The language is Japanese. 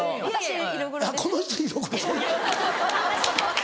はい。